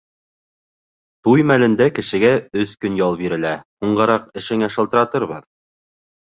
Туй мәлендә кешегә өс көн ял бирелә, һуңғараҡ эшеңә шылтыратырбыҙ!